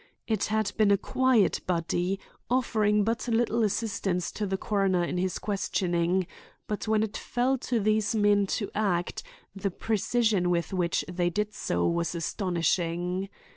It had been a quiet body, offering but little assistance to the coroner in his questioning; but when it fell to these men to act, the precision with which they did so was astonishing.